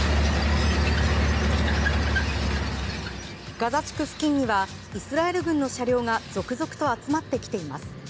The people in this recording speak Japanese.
ガザ地区付近にはイスラエル軍の車両が続々と集まってきています。